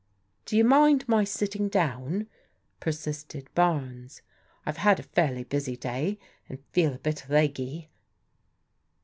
" I>o you mind my sitting down?" persisted Barnes. " I've had a fairly busy day, and feel a bit leggy."